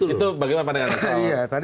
itu bagaimana pandangan anda